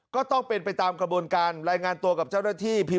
ก็ต้องเป็นไปตามกระบวนการรายงานตัวกับเจ้าหน้าที่